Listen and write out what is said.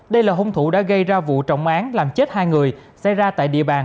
đây là hung thủ đã gây ra vụ trọng án làm chết hai người xảy ra tại địa bàn